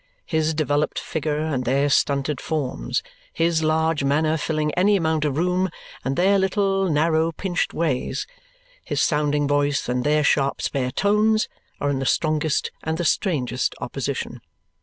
His developed figure and their stunted forms, his large manner filling any amount of room and their little narrow pinched ways, his sounding voice and their sharp spare tones, are in the strongest and the strangest opposition.